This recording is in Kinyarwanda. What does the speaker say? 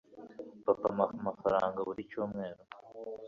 Papa ampa amafaranga $ buri cyumweru.